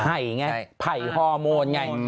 ไงไผ่ฮอร์โมนไง